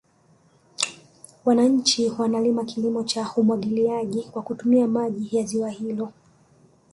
Wananchi wanalima kilimo cha umwagiliaji kwa kutumia maji ya ziwa hilo